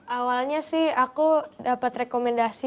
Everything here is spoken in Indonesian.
awalnya sih aku dapat rekomendasi